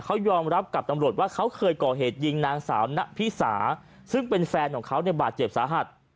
เขายอมรับกับตำรวจว่าเขาเคยก่อเหตุยิงนางสาวณพิสาซึ่งเป็นแฟนของเขาเนี่ยบาดเจ็บสาหัส